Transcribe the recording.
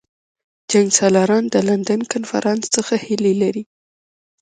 جنګسالاران د لندن کنفرانس څخه هیلې لري.